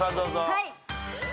はい。